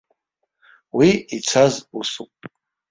Уи ицаз усуп.